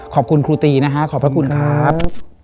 ขอบคุณครูตีนะฮะขอบพระคุณครับ